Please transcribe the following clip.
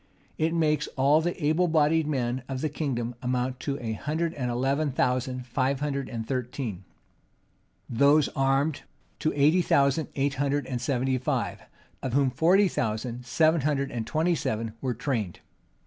It makes all the able bodied men of the kingdom amount to a hundred and eleven thousand five hundred and thirteen; those armed, to eighty thousand eight hundred and seventy five; of whom forty four thousand seven hundred and twenty seven were trained.